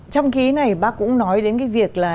trong khi này bác cũng nói đến cái việc là